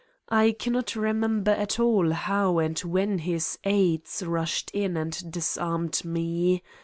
I cannot re i member at all how and when his aides rushed in, and disarmed me.